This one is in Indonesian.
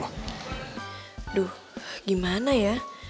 aduh gimana ya